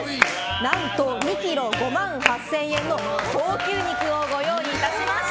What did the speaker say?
何と２ｋｇ５万８０００円の高級肉をご用意いたしました。